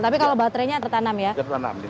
tapi kalau baterainya tertanam ya